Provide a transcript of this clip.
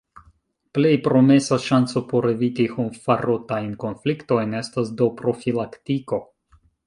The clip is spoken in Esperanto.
Plej promesa ŝanco por eviti homfarotajn konfliktojn estas do profilaktiko.